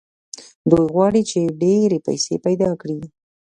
دوی غواړي چې ډېرې پيسې پيدا کړي.